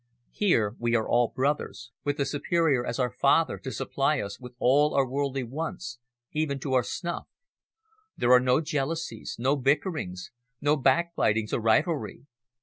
Here we are all brothers, with the superior as our father to supply us with all our worldly wants, even to our snuff. There are no jealousies, no bickerings, no backbitings or rivalry.